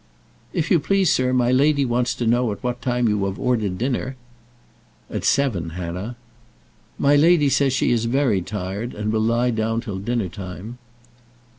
"If you please, sir, my lady wants to know at what time you have ordered dinner." "At seven, Hannah." "My lady says she is very tired, and will lie down till dinner time."